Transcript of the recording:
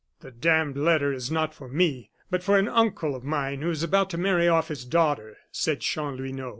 "The d d letter is not for me, but for an uncle of mine who is about to marry off his daughter," said Chanlouineau.